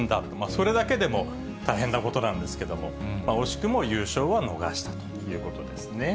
それだけでも大変なことなんですけれども、惜しくも優勝は逃したということですね。